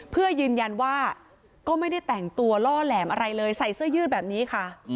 เพื่อยืนยันว่าก็ไม่ได้แต่งตัวล่อแหลมอะไรเลยใส่เสื้อยืดแบบนี้ค่ะ